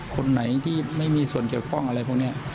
คนไหนที่ไม่มีส่วนเกี่ยวข้องอะไรพวกนี้